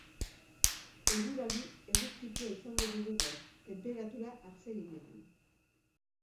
Eguraldi eguzkitsua izango dugu gaur, tenperatura atseginekin.